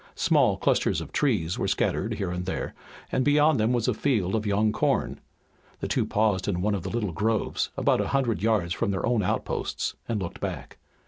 Small clusters of trees were scattered here and there, and beyond them was a field of young corn. The two paused in one of the little groves about a hundred yards from their own outposts and looked back.